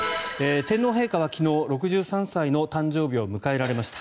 天皇陛下は昨日６３歳の誕生日を迎えられました。